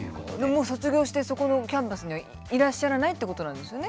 もう卒業してそこのキャンパスにはいらっしゃらないってことなんですよね。